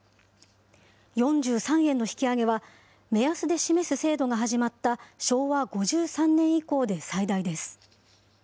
４３円の引き上げは、目安で示す制度が始まった昭和５３年以降で最大です。